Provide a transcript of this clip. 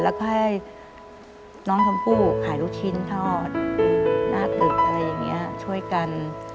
แล้วก็ให้น้องชมพู่ขายลูกชิ้นทอดหน้าตึกอะไรอย่างนี้ช่วยกัน